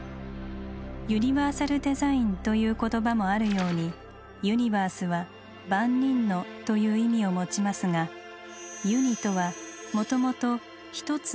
ユニバーサルデザインという言葉もあるように「ユニバース」は「万人の」という意味を持ちますが「ユニ」とはもともと「一つの」という意味。